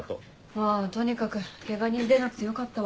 まぁとにかくケガ人出なくてよかったわ。